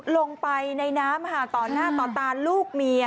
ลงไปในน้ำต่อหน้าต่อตาลูกเมีย